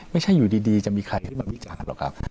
ไม่ใช่อยู่ดีจะมีใครขึ้นมาวิจารณ์หรอกครับ